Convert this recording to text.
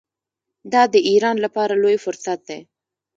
دا د ایران لپاره لوی فرصت دی.